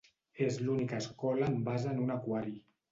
És l'única escola amb base en un aquari.